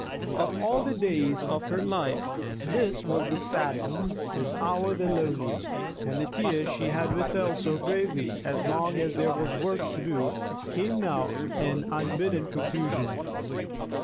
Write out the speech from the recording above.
Of all the days of her life this was the saddest, this hour the loneliest, and the tears she had withheld so bravely as long as there was work to do came now in unbidden profusion.